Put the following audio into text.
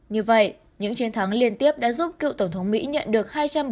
như vậy những chiến thắng liên tiếp đã giúp cựu tổng thống mỹ nhận được